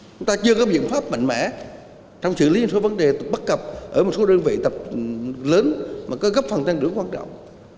chúng ta chưa có biện pháp mạnh mẽ trong xử lý những số vấn đề bắt gặp ở một số đơn vị tập lớn mà có gấp phần tăng lưỡng quan trọng